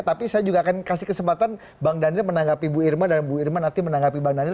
tapi saya juga akan kasih kesempatan bang daniel menanggapi bu irma dan bu irma nanti menanggapi bang daniel